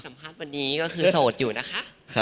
ภาพวันนี้ก็คือโสดอยู่นะคะ